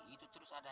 itu terus ada